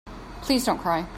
Please don't cry.